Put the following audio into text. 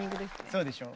そうでしょ。